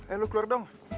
eh lo keluar dong